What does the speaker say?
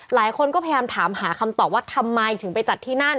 หลายคนก็พยายามถามหาคำตอบว่าทำไมถึงไปจัดที่นั่น